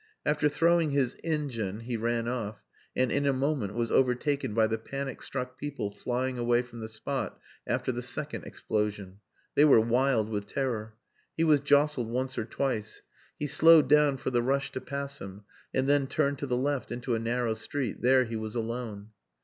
After throwing his "engine" he ran off and in a moment was overtaken by the panic struck people flying away from the spot after the second explosion. They were wild with terror. He was jostled once or twice. He slowed down for the rush to pass him and then turned to the left into a narrow street. There he was alone.